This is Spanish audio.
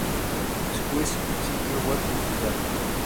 Squeeze Sitio web oficial